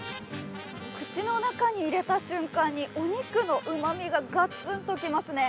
口の中に入れた瞬間にお肉のうまみがガツンときますね。